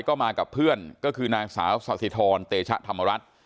ก็มากับเพื่อนก็คือนางสาวสาธิธรเตชะธรรมรัฐ